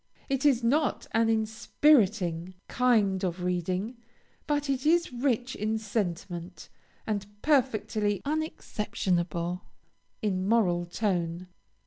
It is not an inspiriting kind of reading, but it is rich in sentiment, and perfectly unexceptionable in moral tone.